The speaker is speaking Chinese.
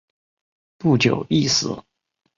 不久亦死。